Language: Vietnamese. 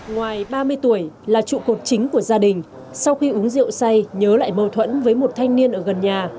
ngoài ba mươi tuổi là trụ cột chính của gia đình sau khi uống rượu say nhớ lại mâu thuẫn với một thanh niên ở gần nhà